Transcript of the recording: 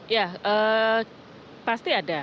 ya pasti ada